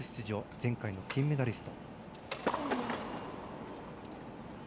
前回の金メダリスト。